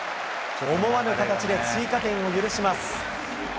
思わぬ形で追加点を許します。